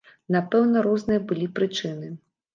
Напэўна, розныя былі прычыны.